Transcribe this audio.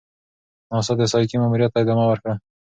ناسا د سایکي ماموریت ته ادامه ورکوي.